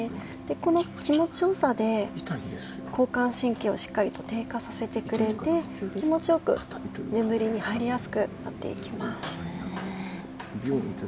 この気持ち良さで交感神経を低下させてくれて気持ちよく眠りに入りやすくなっていきます。